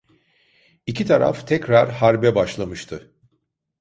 İki taraf tekrar harbe başlamıştı.